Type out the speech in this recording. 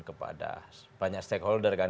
kepada banyak stakeholder kan